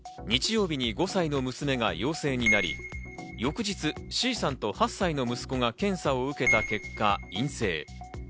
日曜日に５歳の娘が陽性になり、翌日、Ｃさんと８歳の息子が検査を受けた結果、陰性。